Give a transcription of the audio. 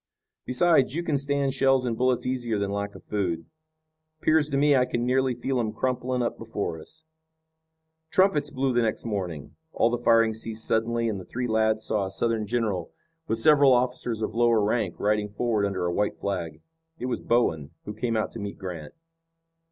Besides, you can stand shells and bullets easier than lack of food. 'Pears to me I can nearly feel 'em crumpling up before us." Trumpets blew the next morning. All the firing ceased suddenly and the three lads saw a Southern general with several officers of lower rank, riding forward under a white flag. It was Bowen, who came out to meet Grant.